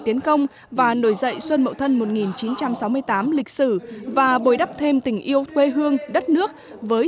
tiến công và nổi dậy xuân mậu thân một nghìn chín trăm sáu mươi tám lịch sử và bồi đắp thêm tình yêu quê hương đất nước với